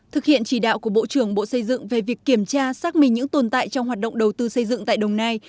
thực hiện chỉ đạo của bộ trưởng bộ xây dựng về việc kiểm tra xác minh những tồn tại trong hoạt động đầu tư xây dựng tại đồng nai